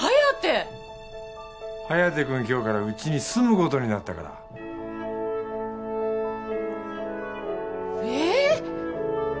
颯君今日からうちに住むことになったからえっ！？